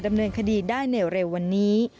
ดำเนินคดีได้ในเร็ววันนี้